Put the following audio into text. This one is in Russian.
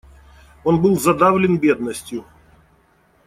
Он был задавлен бедностью.